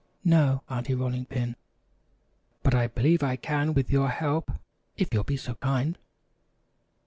"No, Aunty Rolling Pin, but I believe I can with your help, if you'll be so kind."